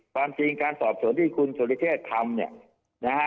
ความจริงการสอบสวนที่คุณสุริเชษทำเนี่ยนะฮะ